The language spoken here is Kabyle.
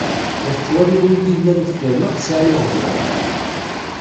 La tettwaliḍ wigi yellan ddeffir-m akk sɛan iɣeblan.